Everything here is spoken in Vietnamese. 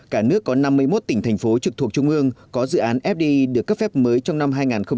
cả nước có năm mươi một tỉnh thành phố trực thuộc trung ương có dự án fdi được cấp phép mới trong năm hai nghìn một mươi chín